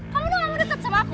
kamu tuh gak mau detet sama aku